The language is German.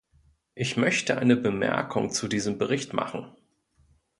Ich möchte eine Bemerkung zu diesem Bericht machen.